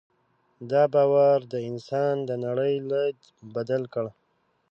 دا باور د انسان د نړۍ لید بدل کړ.